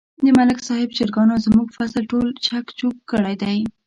د ملک صاحب چرگانو زموږ فصل ټول چک چوک کړی دی.